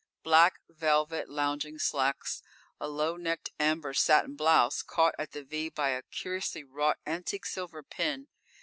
Black velvet lounging slacks, a low necked amber satin blouse, caught at the "V" by a curiously wrought antique silver pin.